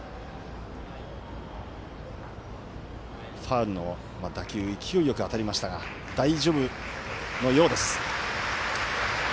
ファウルの打球勢いよく当たりましたが大丈夫なようです。